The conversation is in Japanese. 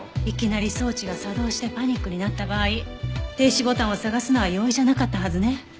いきなり装置が作動してパニックになった場合停止ボタンを探すのは容易じゃなかったはずね。